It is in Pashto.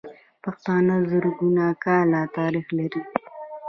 پښتانه زرګونه کاله تاريخ لري.